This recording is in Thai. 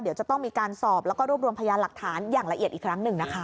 เดี๋ยวจะต้องมีการสอบแล้วก็รวบรวมพยานหลักฐานอย่างละเอียดอีกครั้งหนึ่งนะคะ